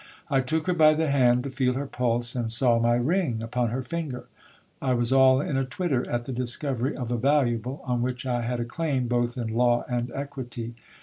I took her by the hand, to feel her pulse ; and saw my ring upon her finger. I was all in a twitter at the discovery of a valuable, on which I had a claim both in law and equity.